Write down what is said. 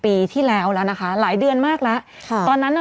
เพื่อไม่ให้เชื้อมันกระจายหรือว่าขยายตัวเพิ่มมากขึ้น